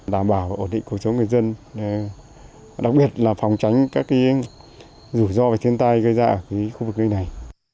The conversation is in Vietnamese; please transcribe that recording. đảm bảo ổn định cuộc sống người dân đặc biệt là phòng tránh các rủi ro về thiên tai gây ra ở khu vực gây này